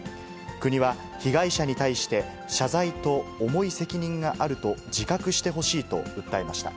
国は被害者に対して、謝罪と重い責任があると自覚してほしいと訴えました。